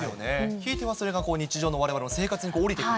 ひいてはそれが日常のわれわれの生活に下りてくる。